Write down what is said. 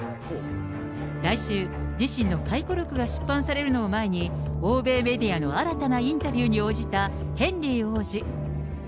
来週、自身の回顧録が出版されるのを前に、欧米メディアの新たなインタビューに応じたヘンリー王子。